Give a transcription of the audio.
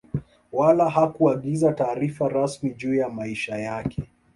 Wala hakuagiza taarifa rasmi juu ya maisha yake